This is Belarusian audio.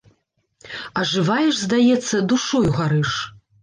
Ажываеш, здаецца, душою гарыш.